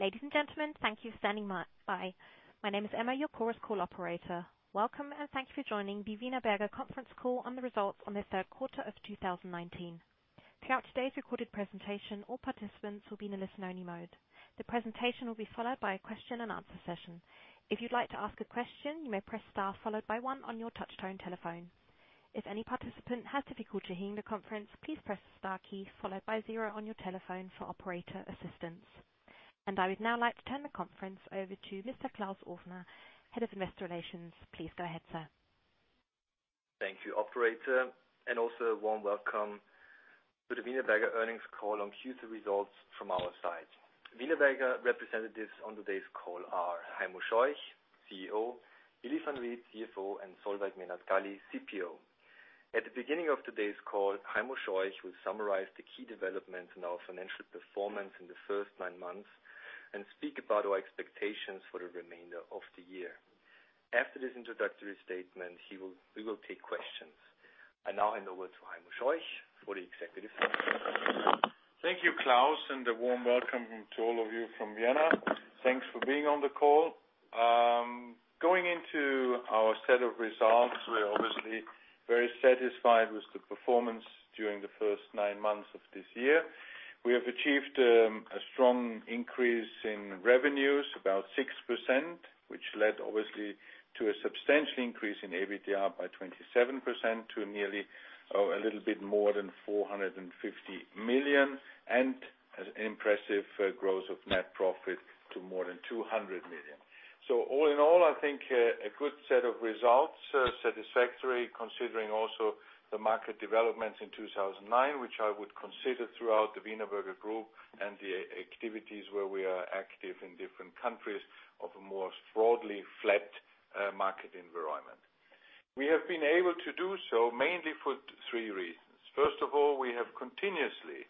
Ladies and gentlemen, thank you for standing by. My name is Emma, your Chorus Call operator. Welcome, and thank you for joining the Wienerberger conference call on the results on the third quarter of 2019. Throughout today's recorded presentation, all participants will be in a listen-only mode. The presentation will be followed by a question and answer session. If you'd like to ask a question, you may press star followed by one on your touch-tone telephone. If any participant has difficulty hearing the conference, please press the star key followed by zero on your telephone for operator assistance. I would now like to turn the conference over to Mr. Klaus Ofner, Head of Investor Relations. Please go ahead, sir. Thank you, operator. Also a warm welcome to the Wienerberger earnings call on Q3 results from our side. Wienerberger representatives on today's call are Heimo Scheuch, CEO, Elisabeth Reid, CFO, and Solveig Menard-Galli, CPO. At the beginning of today's call, Heimo Scheuch will summarize the key developments in our financial performance in the first nine months and speak about our expectations for the remainder of the year. After this introductory statement, we will take questions. I now hand over to Heimo Scheuch for the executive session. Thank you, Klaus, and a warm welcome to all of you from Vienna. Thanks for being on the call. Going into our set of results, we are obviously very satisfied with the performance during the first nine months of this year. We have achieved a strong increase in revenues, about 6%, which led obviously to a substantial increase in EBITDA by 27% to a little bit more than 450 million, and an impressive growth of net profit to more than 200 million. All in all, I think a good set of results, satisfactory considering also the market developments in 2019, which I would consider throughout the Wienerberger Group and the activities where we are active in different countries of a more broadly flat market environment. We have been able to do so mainly for three reasons. First of all, we have continuously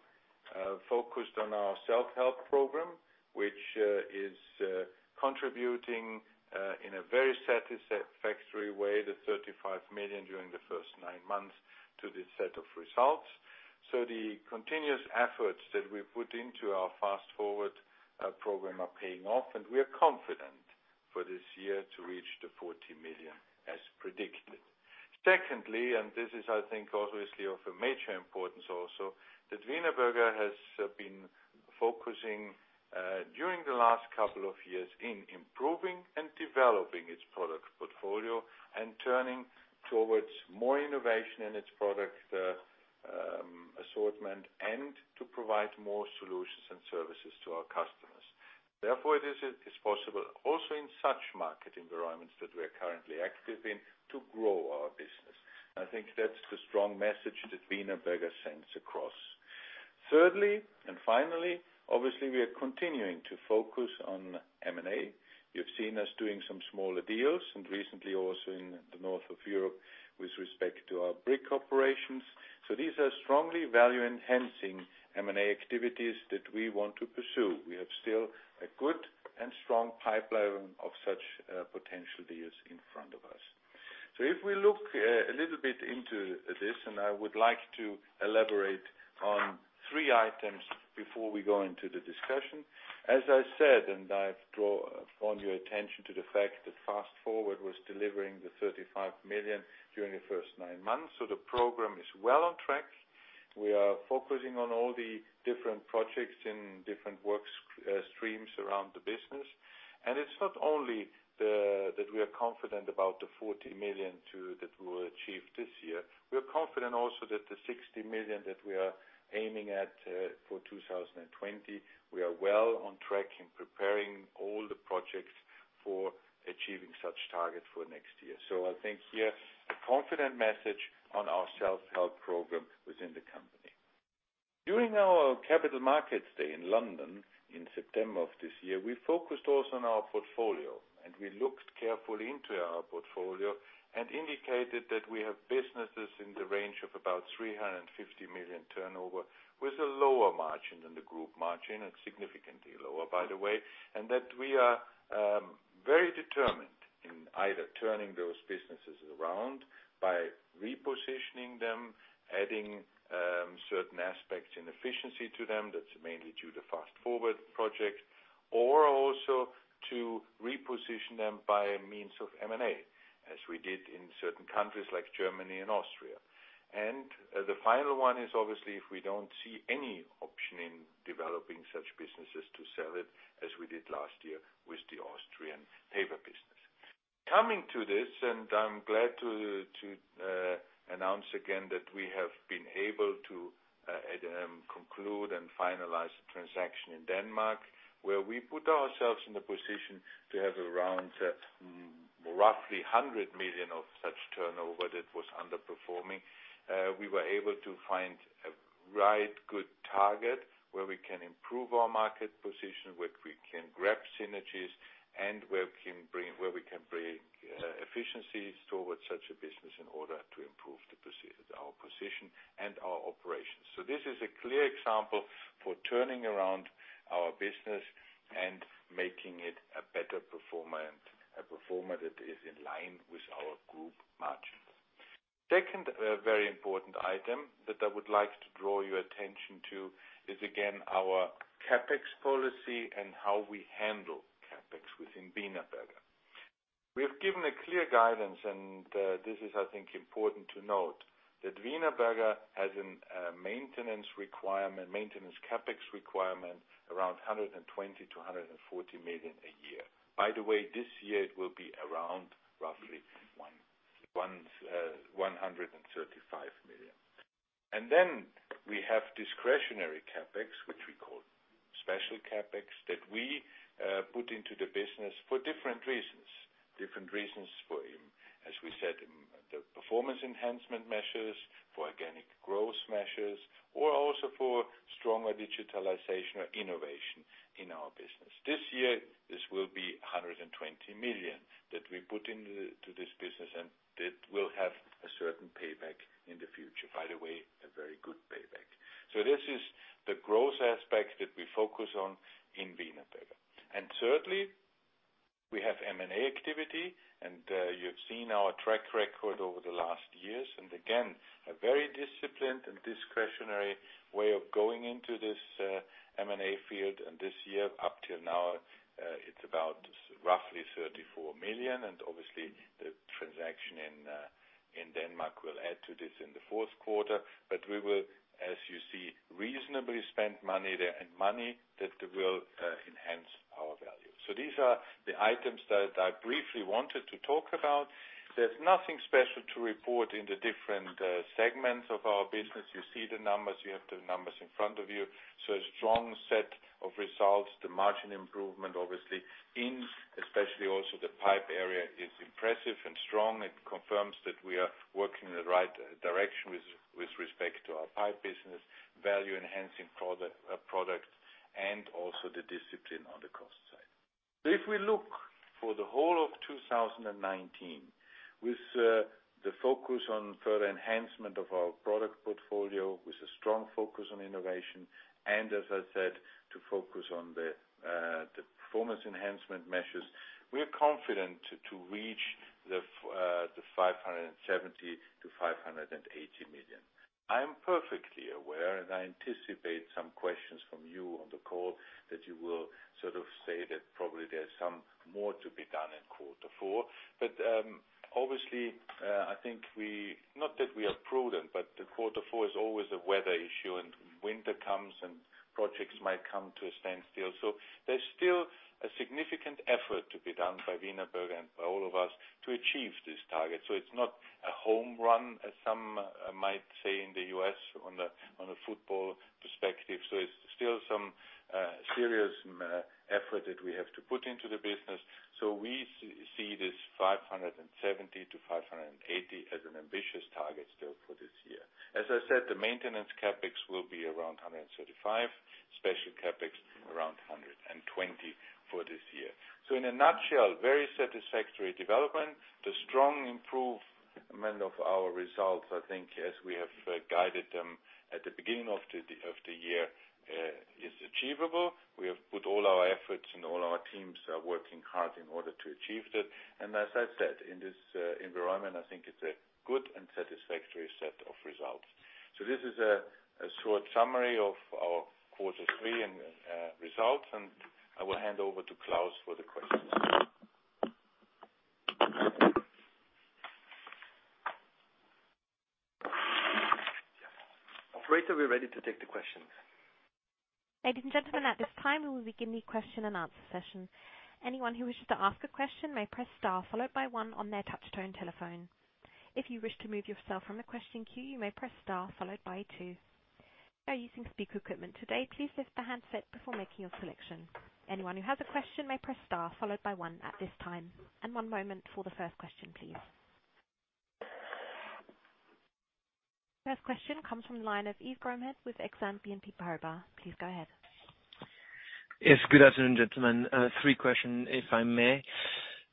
focused on our self-help program, which is contributing in a very satisfactory way, the 35 million during the first nine months to this set of results. The continuous efforts that we put into our Fast Forward program are paying off, and we are confident for this year to reach the 40 million as predicted. Secondly, and this is, I think, obviously of a major importance also, that Wienerberger has been focusing during the last couple of years in improving and developing its product portfolio and turning towards more innovation in its product assortment and to provide more solutions and services to our customers. Therefore, it is possible also in such market environments that we're currently active in to grow our business. I think that's the strong message that Wienerberger sends across. Thirdly, and finally, obviously, we are continuing to focus on M&A. You've seen us doing some smaller deals and recently also in the north of Europe with respect to our brick operations. These are strongly value-enhancing M&A activities that we want to pursue. We have still a good and strong pipeline of such potential deals in front of us. If we look a little bit into this, I would like to elaborate on three items before we go into the discussion. As I said, I draw on your attention to the fact that Fast Forward was delivering the 35 million during the first nine months, the program is well on track. We are focusing on all the different projects in different work streams around the business. It's not only that we are confident about the 40 million that we will achieve this year. We are confident also that the 60 million that we are aiming at for 2020, we are well on track in preparing all the projects for achieving such target for next year. I think here, a confident message on our self-help program within the company. During our capital markets day in London in September of this year, we focused also on our portfolio, and we looked carefully into our portfolio and indicated that we have businesses in the range of about 350 million turnover with a lower margin than the group margin, and significantly lower, by the way, and that we are very determined in either turning those businesses around by repositioning them, adding certain aspects and efficiency to them, that's mainly due to Fast Forward project, or also to reposition them by a means of M&A, as we did in certain countries like Germany and Austria. The final one is obviously, if we don't see any option in developing such businesses to sell it as we did last year with the Austrian paper business. Coming to this, I'm glad to announce again that we have been able to conclude and finalize the transaction in Denmark, where we put ourselves in the position to have around roughly 100 million of such turnover that was underperforming. We were able to find a right good target where we can improve our market position, where we can grab synergies, and where we can bring efficiencies towards such a business in order to improve our position and our operations. This is a clear example for turning around our business and making it a better performer, and a performer that is in line with our group margin. Second very important item that I would like to draw your attention to is, again, our CapEx policy and how we handle CapEx within Wienerberger. We have given a clear guidance, and this is, I think important to note, that Wienerberger has a maintenance CapEx requirement around 120 million-140 million a year. By the way, this year it will be around, roughly 135 million. We have discretionary CapEx, which we call special CapEx, that we put into the business for different reasons. Different reasons for, as we said, the performance enhancement measures, for organic growth measures, or also for stronger digitalization or innovation in our business. This year, this will be 120 million that we put into this business, and that will have a certain payback in the future. By the way, a very good payback. This is the growth aspect that we focus on in Wienerberger. Thirdly, we have M&A activity, and you've seen our track record over the last years. Again, a very disciplined and discretionary way of going into this M&A field. This year, up till now, it's about roughly 34 million. Obviously the transaction in Denmark will add to this in the fourth quarter. We will, as you see, reasonably spend money there and money that will enhance our value. These are the items that I briefly wanted to talk about. There's nothing special to report in the different segments of our business. You see the numbers, you have the numbers in front of you. A strong set of results. The margin improvement, obviously, in especially also the pipe area, is impressive and strong. It confirms that we are working in the right direction with respect to our pipe business, value enhancing product, and also the discipline on the cost side. If we look for the whole of 2019, with the focus on further enhancement of our product portfolio, with a strong focus on innovation, and as I said, to focus on the performance enhancement measures, we are confident to reach 570 million-580 million. I am perfectly aware, and I anticipate some questions from you on the call that you will sort of say that probably there's some more to be done in quarter four. Obviously, I think not that we are prudent, but the quarter four is always a weather issue, and winter comes and projects might come to a standstill. There's still a significant effort to be done by Wienerberger and by all of us to achieve this target. It's not a home run, as some might say in the U.S. on a football perspective. It's still some serious effort that we have to put into the business. We see this 570-580 as an ambitious target still for this year. As I said, the maintenance CapEx will be around 135, special CapEx around 120 for this year. In a nutshell, very satisfactory development. The strong improvement of our results, I think as we have guided them at the beginning of the year, is achievable. We have put all our efforts and all our teams are working hard in order to achieve that. As I said, in this environment, I think it's a good and satisfactory set of results. This is a short summary of our quarter three results, and I will hand over to Klaus for the questions. Operator, we're ready to take the questions. Ladies and gentlemen, at this time, we will begin the question and answer session. Anyone who wishes to ask a question may press star followed by one on their touch-tone telephone. If you wish to remove yourself from the question queue, you may press star followed by two. If you are using speaker equipment today, please lift the handset before making your selection. Anyone who has a question may press star followed by one at this time. One moment for the first question, please. First question comes from the line of Yves Gromaid with Exane BNP Paribas. Please go ahead. Yes, good afternoon, gentlemen. Three questions, if I may.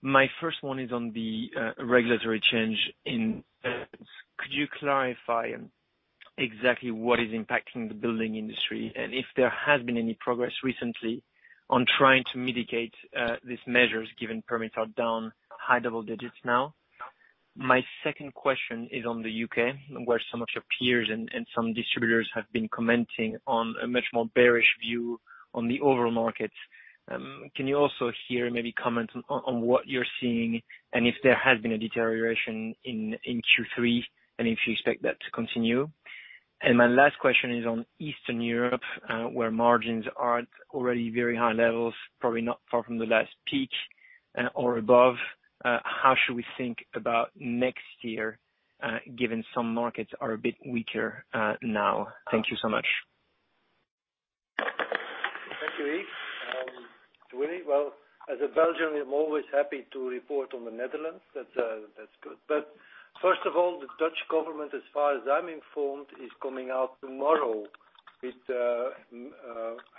My first one is on the regulatory change in nitrogen. Could you clarify exactly what is impacting the building industry and if there has been any progress recently on trying to mitigate these measures given permits are down high double digits now? My second question is on the U.K., where some of your peers and some distributors have been commenting on a much more bearish view on the overall market. Can you also here maybe comment on what you're seeing and if there has been a deterioration in Q3 and if you expect that to continue? My last question is on Eastern Europe, where margins are at already very high levels, probably not far from the last peak or above. How should we think about next year given some markets are a bit weaker now? Thank you so much. Thank you, Yves. Willy? Well, as a Belgian, I'm always happy to report on the Netherlands. That's good. First of all, the Dutch government, as far as I'm informed, is coming out tomorrow with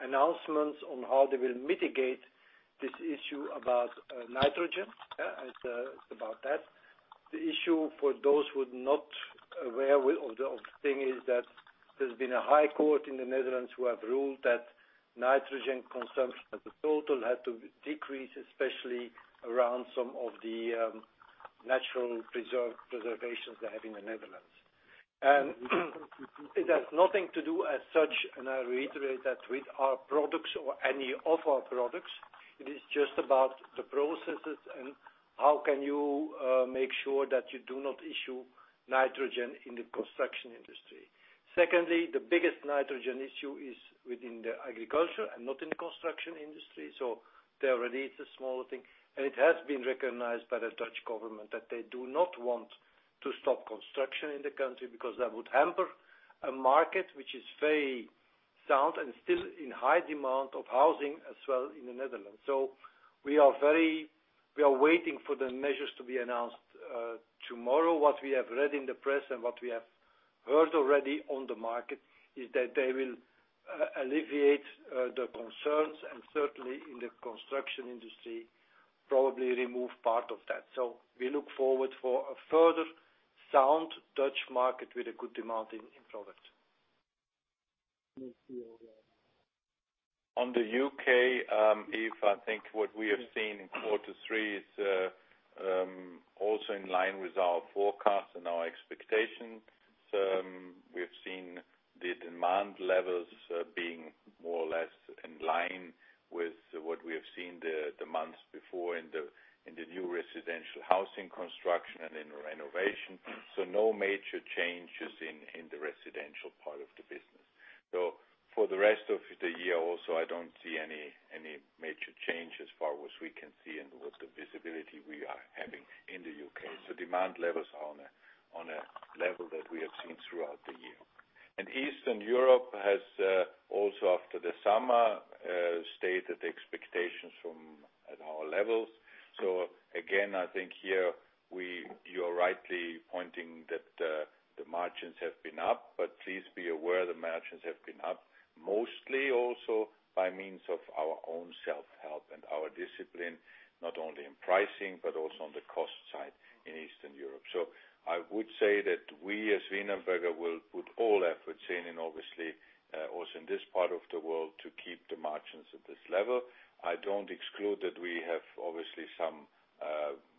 announcements on how they will mitigate this issue about nitrogen. It's about that. The issue for those who are not aware of the thing is that There's been a high court in the Netherlands who have ruled that nitrogen consumption as a total had to decrease, especially around some of the natural preservations they have in the Netherlands. It has nothing to do as such, and I reiterate that with our products or any of our products, it is just about the processes and how can you make sure that you do not issue nitrogen in the construction industry. Secondly, the biggest nitrogen issue is within the agriculture and not in the construction industry, there already it's a small thing. It has been recognized by the Dutch government that they do not want to stop construction in the country because that would hamper a market which is very sound and still in high demand of housing as well in the Netherlands. We are waiting for the measures to be announced tomorrow. What we have read in the press and what we have heard already on the market is that they will alleviate the concerns and certainly in the construction industry, probably remove part of that. We look forward for a further sound Dutch market with a good demand in product. On the U.K., Yves, I think what we have seen in quarter three is also in line with our forecast and our expectations. We've seen the demand levels being more or less in line with what we have seen the months before in the new residential housing construction and in renovation. No major changes in the residential part of the business. For the rest of the year also, I don't see any major change as far as we can see and with the visibility we are having in the U.K. Demand levels are on a level that we have seen throughout the year. Eastern Europe has also, after the summer, stated expectations from at our levels. Again, I think here you're rightly pointing that the margins have been up, please be aware the margins have been up mostly also by means of our own self-help and our discipline, not only in pricing but also on the cost side in Eastern Europe. I would say that we as Wienerberger will put all efforts in and obviously, also in this part of the world to keep the margins at this level. I don't exclude that we have obviously some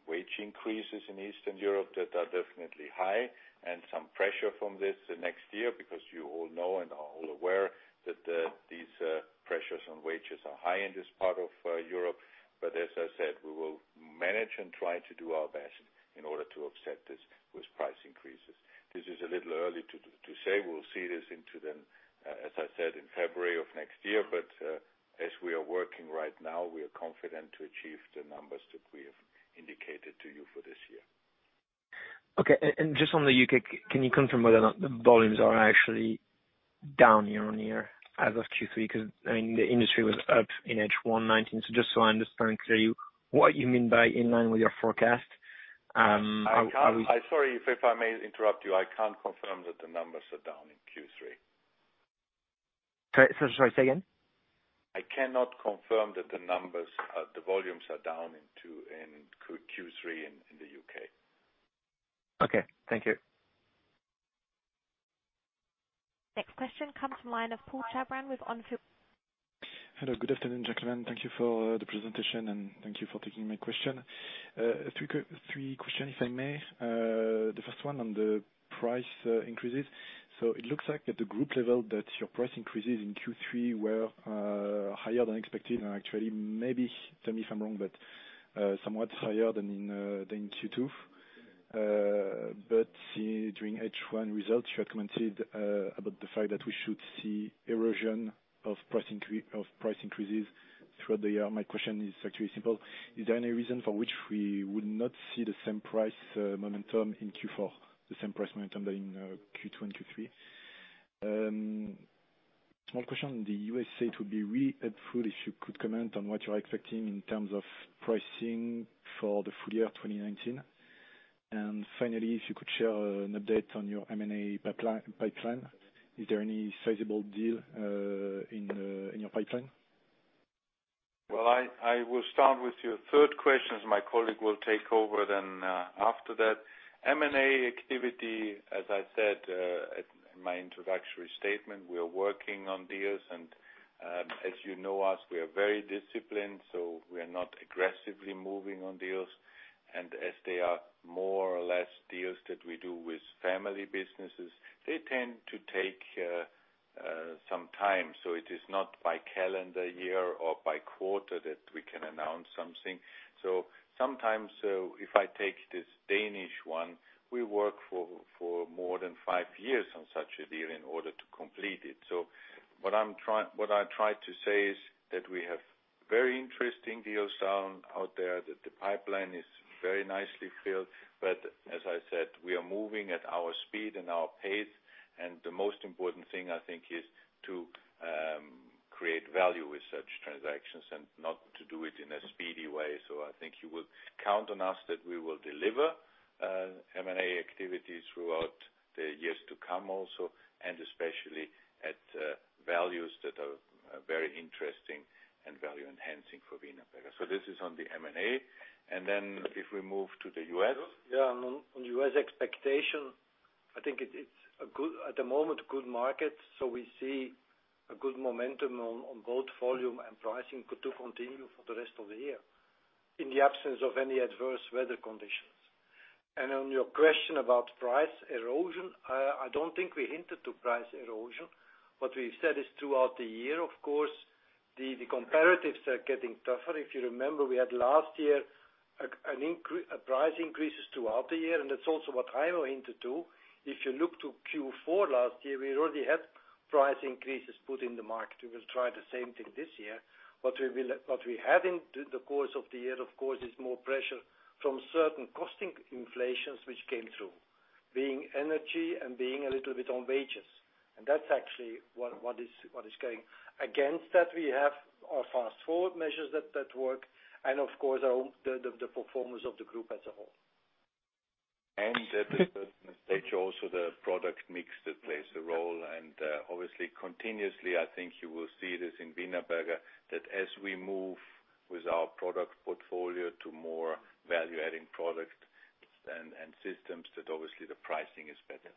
wage increases in Eastern Europe that are definitely high and some pressure from this the next year, because you all know and are all aware that these pressures on wages are high in this part of Europe. As I said, we will manage and try to do our best in order to offset this with price increases. This is a little early to say. We'll see this into then, as I said, in February of next year. As we are working right now, we are confident to achieve the numbers that we have indicated to you for this year. Okay. Just on the U.K., can you confirm whether or not the volumes are actually down year-on-year as of Q3? The industry was up in H1 2019. Just so I understand clearly what you mean by in line with your forecast. I sorry, Yves, if I may interrupt you. I can't confirm that the numbers are down in Q3. Sorry, say again? I cannot confirm that the volumes are down in Q3 in the U.K. Okay. Thank you. Next question comes from line of Paul Charbon. Hello. Good afternoon, gentlemen. Thank you for the presentation, and thank you for taking my question. Three question, if I may. The first one on the price increases. It looks like at the group level that your price increases in Q3 were higher than expected, and actually maybe, tell me if I'm wrong, but somewhat higher than in Q2. See, during H1 results, you had commented about the fact that we should see erosion of price increases throughout the year. My question is actually simple. Is there any reason for which we would not see the same price momentum in Q4, the same price momentum that in Q2 and Q3? One question on the USA, it would be really helpful if you could comment on what you're expecting in terms of pricing for the full year 2019. Finally, if you could share an update on your M&A pipeline. Is there any sizable deal in your pipeline? Well, I will start with your third question, as my colleague will take over then after that. M&A activity, as I said in my introductory statement, we are working on deals and, as you know us, we are very disciplined, so we are not aggressively moving on deals. As they are more or less deals that we do with family businesses, they tend to take some time. It is not by calendar year or by quarter that we can announce something. Sometimes, if I take this Danish one, we work for more than five years on such a deal in order to complete it. What I try to say is that we have very interesting deals out there, that the pipeline is very nicely filled. As I said, we are moving at our speed and our pace. The most important thing, I think, is to create value with such transactions and not to do it in a speedy way. I think you would count on us that we will deliver M&A activity throughout the years to come also, and especially values that are very interesting and value enhancing for Wienerberger. This is on the M&A, and then if we move to the U.S. Yeah, on U.S. expectation, I think it's, at the moment, a good market. We see a good momentum on both volume and pricing to continue for the rest of the year in the absence of any adverse weather conditions. On your question about price erosion, I don't think we hinted to price erosion. What we've said is throughout the year, of course, the comparatives are getting tougher. If you remember, we had last year price increases throughout the year. That's also what I alluded to. If you look to Q4 last year, we already had price increases put in the market. We will try the same thing this year. What we have into the course of the year, of course, is more pressure from certain costing inflations which came through, being energy and being a little bit on wages. That's actually what is going. Against that, we have our Fast Forward measures that work, and of course, the performance of the group as a whole. At a certain stage also, the product mix that plays a role and, obviously continuously, I think you will see this in Wienerberger, that as we move with our product portfolio to more value-adding product and systems, that obviously the pricing is better.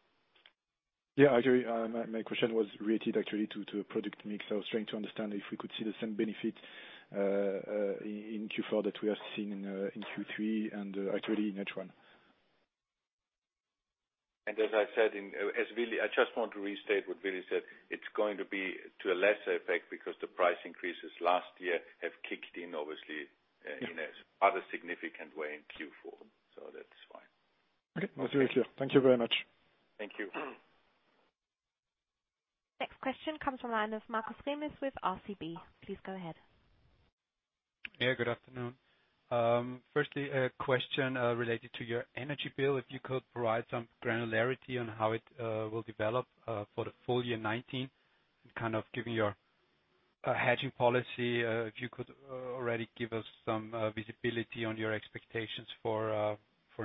Yeah, actually, my question was related actually to product mix. I was trying to understand if we could see the same benefit in Q4 that we are seeing in Q3 and actually in H1. As I said, I just want to restate what Willy said. It's going to be to a lesser effect because the price increases last year have kicked in, obviously, in another significant way in Q4. That's why. Okay. That's very clear. Thank you very much. Thank you. Next question comes from line of Markus Remis with RCB. Please go ahead. Yeah, good afternoon. Firstly, a question related to your energy bill. If you could provide some granularity on how it will develop for the full year 2019, kind of giving your hedging policy, if you could already give us some visibility on your expectations for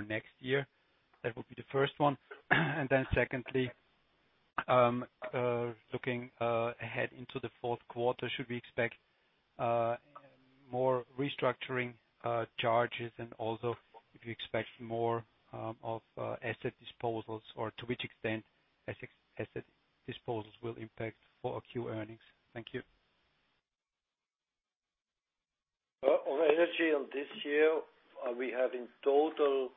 next year. That would be the first one. Secondly, looking ahead into the fourth quarter, should we expect more restructuring charges and also if you expect more of asset disposals, or to which extent asset disposals will impact 4Q earnings? Thank you. On energy this year, we have in total,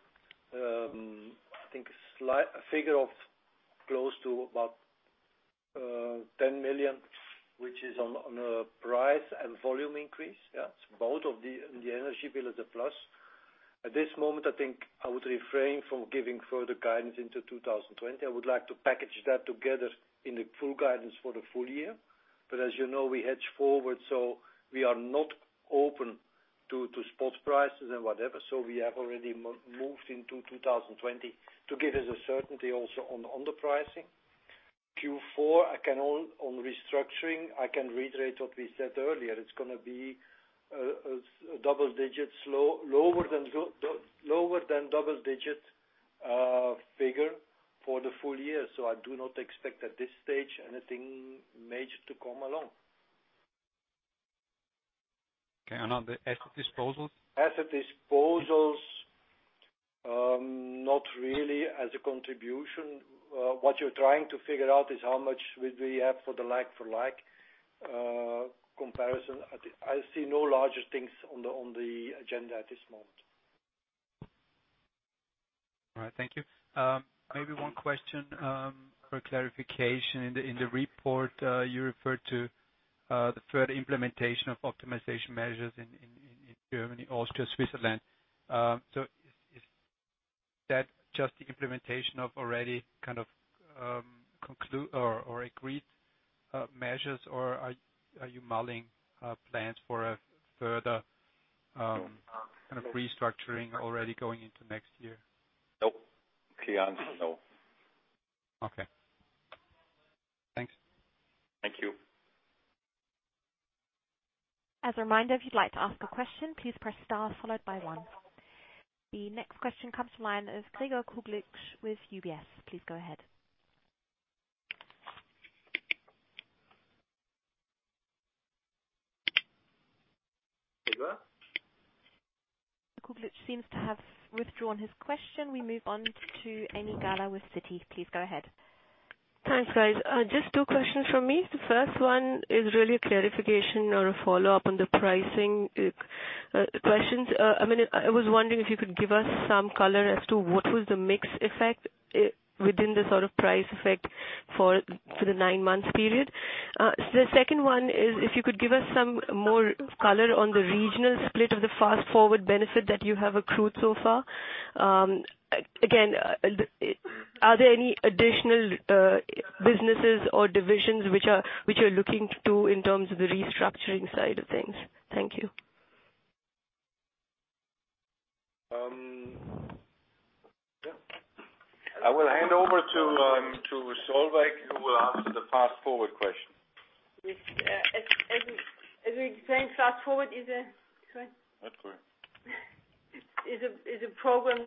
I think a figure of close to about 10 million, which is on a price and volume increase. Both of the energy bill as a plus. At this moment, I think I would refrain from giving further guidance into 2020. I would like to package that together in the full guidance for the full year. As you know, we hedge forward, we are not open to spot prices and whatever. We have already moved into 2020 to give us a certainty also on the pricing. Q4, on restructuring, I can reiterate what we said earlier. It's going to be lower than double-digit figure for the full year. I do not expect at this stage anything major to come along. Okay, on the asset disposals? Asset disposals, not really as a contribution. What you're trying to figure out is how much will we have for the like for like comparison. I see no larger things on the agenda at this moment. All right. Thank you. Maybe one question, for clarification. In the report, you referred to the further implementation of optimization measures in Germany, Austria, Switzerland. Is that just the implementation of already kind of agreed measures, or are you mulling plans for a further kind of restructuring already going into next year? Nope. Clear answer, no. Okay. Thanks. Thank you. As a reminder, if you'd like to ask a question, please press star followed by one. The next question comes from line of Gregor Kuglitsch with UBS. Please go ahead. Gregor? Gregor Kuglitsch seems to have withdrawn his question. We move on to Ami Galla with Citi. Please go ahead. Thanks, guys. Just two questions from me. The first one is really a clarification or a follow-up on the pricing questions. I was wondering if you could give us some color as to what was the mix effect within the sort of price effect for the nine months period. The second one is if you could give us some more color on the regional split of the Fast Forward benefit that you have accrued so far. Again, are there any additional businesses or divisions which you're looking to in terms of the restructuring side of things? Thank you. Yeah. I will hand over to Solveig, who will answer the Fast Forward question. As we explained, Fast Forward is. That's correct. Is a program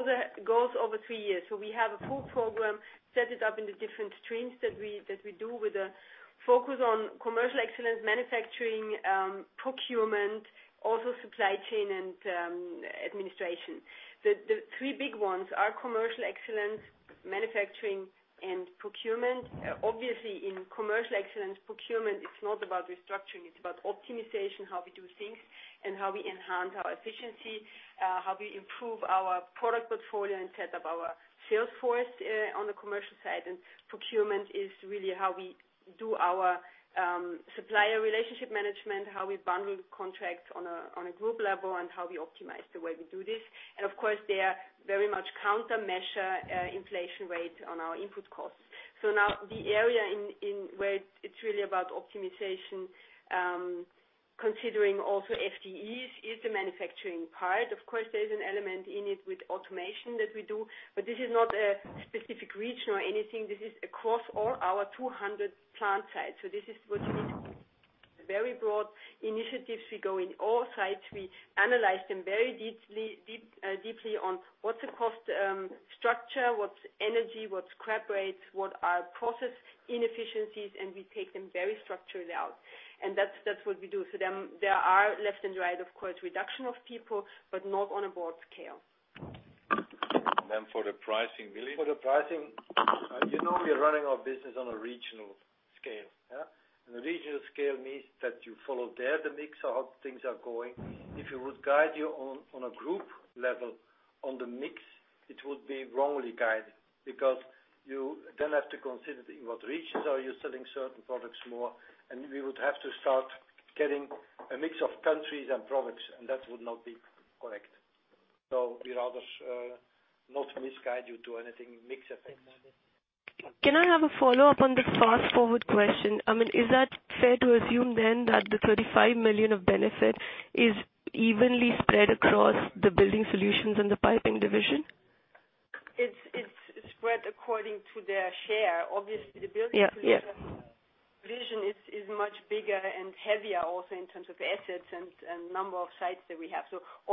that goes over three years. We have a full program, set it up in the different streams that we do with a focus on commercial excellence, manufacturing, procurement, also supply chain and administration. The three big ones are commercial excellence, manufacturing, and procurement. Obviously, in commercial excellence, procurement, it's not about restructuring, it's about optimization, how we do things, and how we enhance our efficiency, how we improve our product portfolio and set up our sales force on the commercial side. Procurement is really how we do our supplier relationship management, how we bundle contracts on a group level, and how we optimize the way we do this. Of course, they are very much countermeasure inflation rate on our input costs. Now the area in where it's really about optimization, considering also FTEs, is the manufacturing part. Of course, there is an element in it with automation that we do. This is not a specific region or anything. This is across all our 200 plant sites. This is what you very broad initiatives. We go in all sites. We analyze them very deeply on what's the cost structure, what's energy, what's scrap rates, what are process inefficiencies, and we take them very structurally out. That's what we do. There are left and right, of course, reduction of people, but not on a broad scale. For the pricing, Willy? For the pricing, you know we are running our business on a regional scale. Yeah. The regional scale means that you follow there the mix of how things are going. If you would guide you on a group level on the mix, it would be wrongly guiding because you then have to consider in what regions are you selling certain products more, and we would have to start getting a mix of countries and products, and that would not be correct. We'd rather not misguide you to anything mix effects. Can I have a follow-up on the Fast Forward question? Is that fair to assume then that the 35 million of benefit is evenly spread across the Building Solutions and the Piping Division? It's spread according to their share. Yeah. -solution division is much bigger and heavier also in terms of assets and number of sites that we have.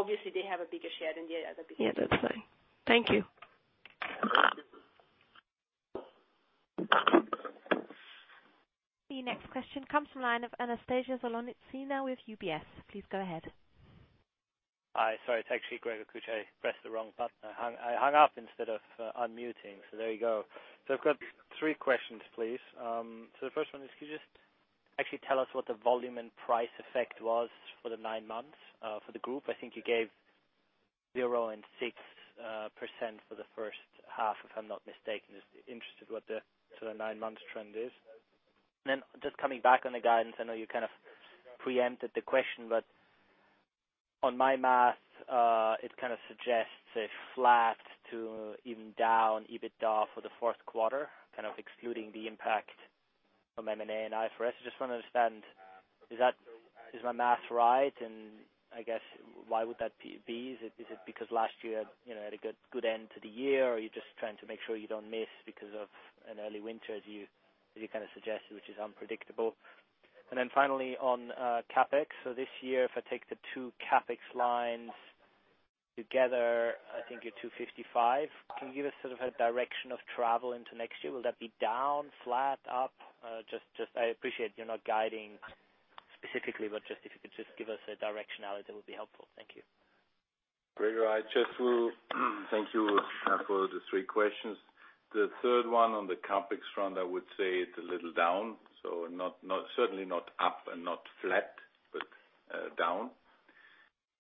Obviously they have a bigger share than the other divisions. Yeah, that's fine. Thank you. The next question comes from line of Anastasia Zolotukhin with UBS. Please go ahead. Hi. Sorry, it's actually Gregor Kuglitsch. I pressed the wrong button. I hung up instead of unmuting, there you go. I've got three questions, please. The first one is, can you just actually tell us what the volume and price effect was for the nine months for the group? I think you gave zero and 6% for the first half, if I'm not mistaken. Just interested what the nine months trend is. Just coming back on the guidance, I know you kind of preempted the question, but on my math, it kind of suggests a flat to even down EBITDA for the fourth quarter, kind of excluding the impact from M&A and IFRS. I just want to understand, is my math right? I guess why would that be? Is it because last year had a good end to the year, or you're just trying to make sure you don't miss because of an early winter, as you kind of suggested, which is unpredictable? Finally on CapEx. This year, if I take the two CapEx lines together, I think you're 255. Can you give us sort of a direction of travel into next year? Will that be down, flat, up? I appreciate you're not guiding specifically, but if you could just give us a directionality, it would be helpful. Thank you. Gregor, thank you for the three questions. The third one on the CapEx front, I would say it's a little down. Certainly not up and not flat, but down.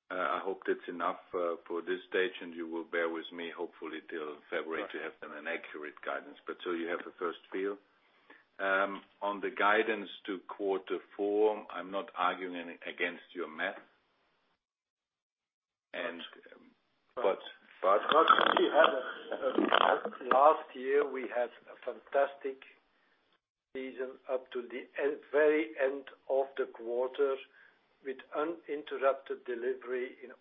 I hope that's enough for this stage, and you will bear with me, hopefully, till February to have an accurate guidance. You have a first feel. On the guidance to quarter four, I'm not arguing against your math. But- Last year, we had a fantastic season up to the very end of the quarter with uninterrupted delivery in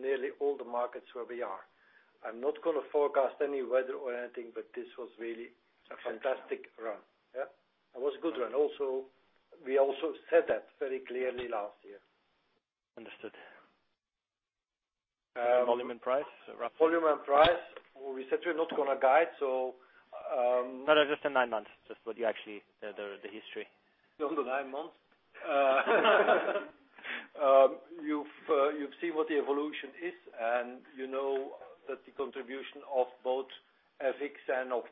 nearly all the markets where we are. I'm not going to forecast any weather or anything, this was really a fantastic run. Yeah. It was a good run. We also said that very clearly last year. Understood. Volume and price, roughly? Volume and price, we said we're not going to guide. No, just the nine months, just what you actually, the history. No, the nine months. You've seen what the evolution is. You know that the contribution of both FX and of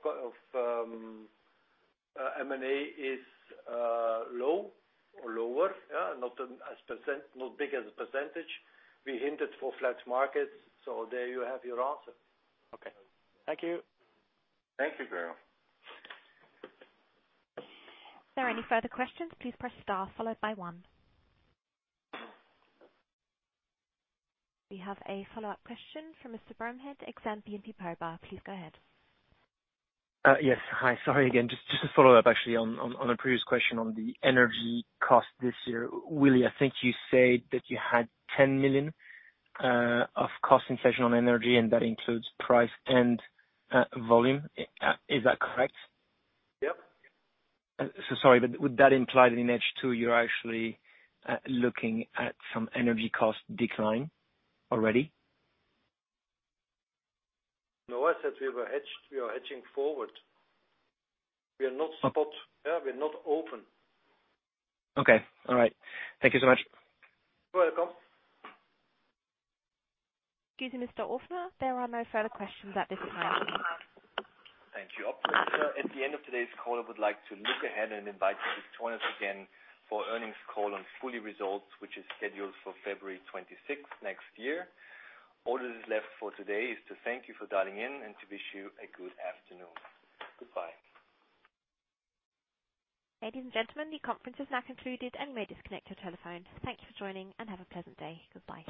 M&A is low or lower. Yeah, not big as a percentage. We hinted for flat markets. There you have your answer. Okay. Thank you. Thank you, Gregor. Are there any further questions? Please press star followed by one. We have a follow-up question from Mr. Bromehead, Exane BNP Paribas. Please go ahead. Yes. Hi. Sorry again. A follow-up, actually, on a previous question on the energy cost this year. Willy, I think you said that you had 10 million of cost inflation on energy, and that includes price and volume. Is that correct? Yep. Sorry, would that imply that in H2 you're actually looking at some energy cost decline already? No, I said we are hedging forward. We are not spot. Yeah, we are not open. Okay. All right. Thank you so much. You're welcome. Excuse me, Mr. Ofner, there are no further questions at this time. Thank you. At the end of today's call, I would like to look ahead and invite you to join us again for earnings call on full-year results, which is scheduled for February 26th next year. All that is left for today is to thank you for dialing in and to wish you a good afternoon. Goodbye. Ladies and gentlemen, the conference is now concluded, and you may disconnect your telephones. Thank you for joining, and have a pleasant day. Goodbye.